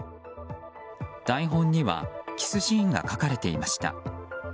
台本にはキスシーンが書かれていました。